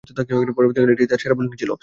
পরবর্তীকালে এটিই তার সেরা বোলিং ছিল।